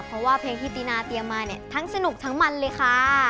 เพราะว่าเพลงที่ตินาเตรียมมาเนี่ยทั้งสนุกทั้งมันเลยค่ะ